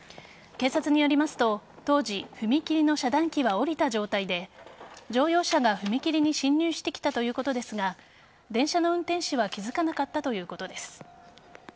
警察によりますと当時、踏切の遮断機は下りた状態で乗用車が踏切に進入してきたということですが電車の運転士は気づかなかったということです。